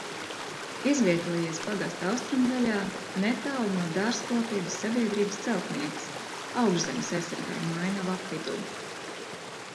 "Izvietojies pagasta austrumdaļā netālu no dārzkopības sabiedrības "Celtnieks" Augšzemes aizsargājamo ainavu apvidū."